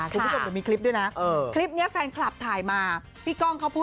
พร้อมพร้อมกันอีหยังอ่ะเพลงอีหยังไปฟังน้ำกันเด้ออ้าออ